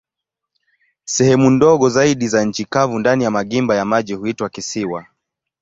Sehemu ndogo zaidi za nchi kavu ndani ya magimba ya maji huitwa kisiwa.